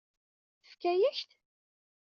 Tefka-yak-t?